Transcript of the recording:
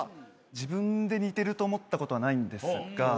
自分で似てると思ったことはないんですが